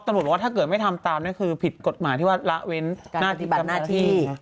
ต้องบอกว่าถ้าเกิดไม่ทำตามเนี่ยคือผิดกฎหมายที่ว่าระเว้นหน้าที่